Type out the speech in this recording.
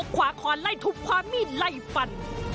ขวาคอนไล่ทุบคว้ามีดไล่ฟัน